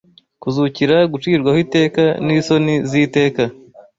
Kuzukira gucirwaho iteka, n’isoni ziteka